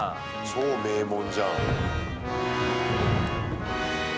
超名門じゃん。